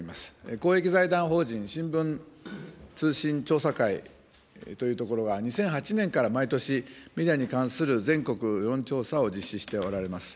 公益財団法人新聞通信調査会というところが、２００８年から毎年、メディアに関する全国世論調査を実施しておられます。